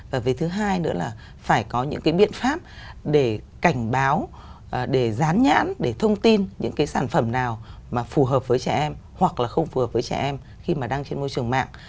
và về thứ hai nữa là phải có những cái biện pháp để cảnh báo để rán nhãn để thông tin những cái sản phẩm nào mà phù hợp với trẻ em hoặc là không phù hợp với trẻ em khi mà đang trên môi trường mạng